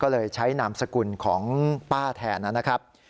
ก็เลยใช้นามสกุลของป้าแทนนะครับ